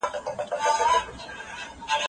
په خوله سپینه فرشته سي په زړه تور لکه ابلیس وي